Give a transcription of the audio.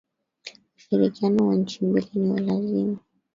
Ushirikiano wa nchi mbili ni wa lazima